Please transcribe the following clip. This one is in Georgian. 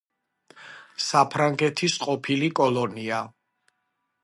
საფრანგეთის ყოფილი კოლონია.